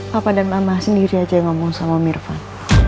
papa dan mama sendiri aja yang ngomong sama mirfan